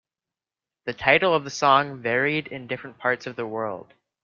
The title of the song varied in different parts of the world.